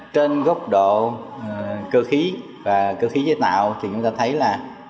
trên gốc độ cơ khí và cơ khí giới tạo thì chúng ta thấy là